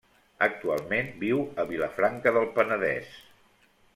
Actualment viu a Vilafranca del Penedès.